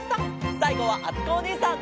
さいごはあつこおねえさん！